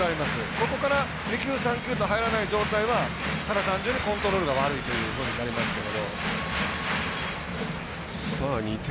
ここから、２球、３球と入らない場合はただ単純にコントロールが悪いというふうになりますけど。